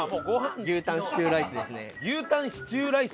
牛タンシチューライス？